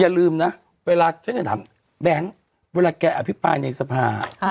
อย่าลืมนะเวลาฉันจะถามแบงค์เวลาแกอภิปรายในสภา